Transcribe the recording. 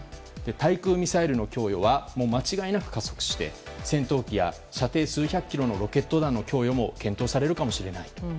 対空ミサイルの供与は間違いなく加速して戦闘機や射程数百キロのロケットの供与も検討されるかもしれない。